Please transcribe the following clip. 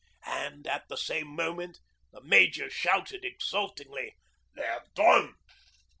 And at the same moment the Major shouted exultingly. 'They're done!'